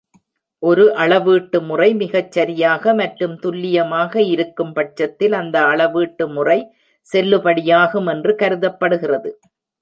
ஒரு அளவீட்டு முறை “மிகச்சரியாக" மற்றும் "துல்லியமாக" இருக்கும் பட்சத்தில் அந்த அளவீட்டு முறை "செல்லுபடியாகும்" என்று கருதப்படுகிறது.